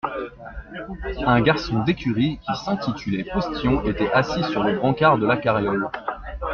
Un garçon d'écurie qui s'intitulait postillon était assis sur le brancard de la carriole.